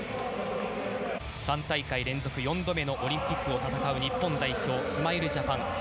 ３大会連続４度目のオリンピックを戦う日本代表スマイルジャパン。